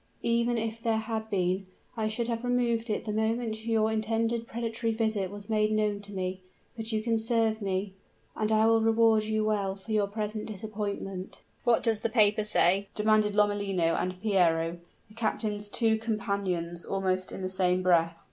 Even if there had been, I should have removed it the moment your intended predatory visit was made known to me. But you can serve me; and I will reward you well for your present disappointment." "What does the paper say?" demanded Lomellino and Piero, the captain's two companions, almost in the same breath.